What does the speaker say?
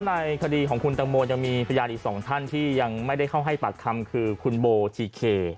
ในคดีของคุณตังโมยังมีพยานอีกสองท่านที่ยังไม่ได้เข้าให้ปากคำคือคุณโบทีเค